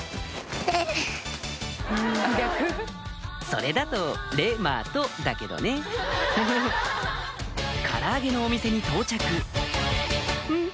それだと「れまと」だけどねから揚げのお店に到着ん？